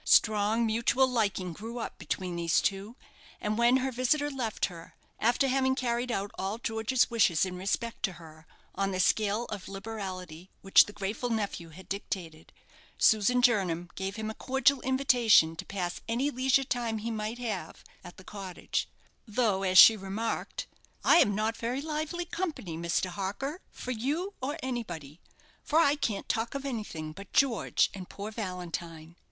Strong mutual liking grew up between these two, and when her visitor left her after having carried out all George's wishes in respect to her, on the scale of liberality which the grateful nephew had dictated Susan Jernam gave him a cordial invitation to pass any leisure time he might have at the cottage, though, as she remarked "I am not very lively company, Mr. Harker, for you or anybody, for I can't talk of anything but George and poor Valentine."